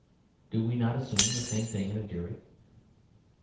Do we not assume the same thing in a jury?"